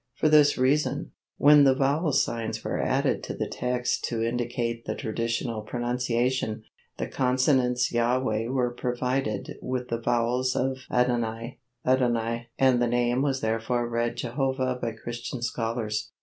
For this reason, when the vowel signs were added to the text to indicate the traditional pronunciation, the consonants Yhwh were provided with the vowels of adonai and the name was therefore read Jehovah by Christian scholars.